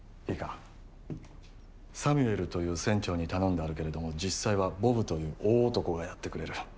いいかサミュエルという船長に頼んであるけれども実際はボブという大男がやってくれる。